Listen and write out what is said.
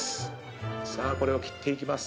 さあこれを切っていきます。